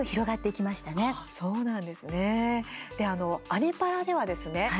「アニ×パラ」ではですね